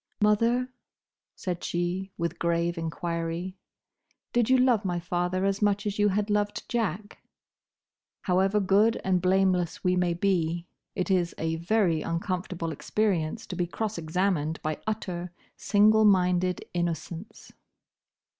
"Mother," said she, with grave enquiry, "did you love my father as much as you had loved Jack?" However good and blameless we may be, it is a very uncomfortable experience to be cross examined by utter, single minded innocence.